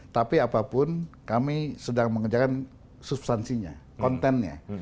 tapi apapun kami sedang mengerjakan substansinya kontennya